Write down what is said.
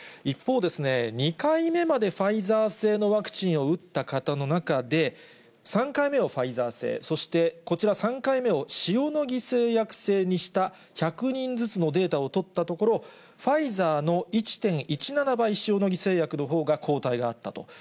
一方、２回目までファイザー製のワクチンを打った方の中で、３回目もファイザー製、そしてこちら、３回目を塩野義製薬製にした１００人ずつのデータを取ったところ、ファイザーの１．１７倍、塩野義製薬のほうが抗体があったと。